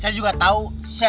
kenapa di banci aho inand